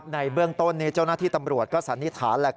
ในเบื้องต้นนี้เจ้าหน้าที่ตำรวจก็สันนิษฐาน